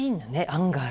案外。